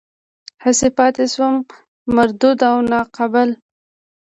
هسې پاتې شوم مردود او ناقابل.